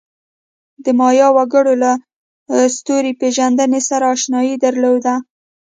د مایا وګړو له ستوري پېژندنې سره آشنایي درلوده.